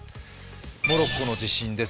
モロッコの地震です。